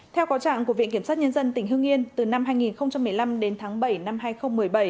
theo có trạng của viện kiểm sát nhân dân tỉnh hương yên từ năm hai nghìn một mươi năm đến tháng bảy năm hai nghìn một mươi bảy